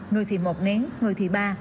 người thì một nén người thì ba